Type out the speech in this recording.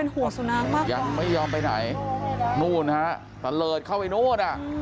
ใช่ยังไม่ยอมไปไหนนู่นฮะสันเลิศเข้าไปโน๊ต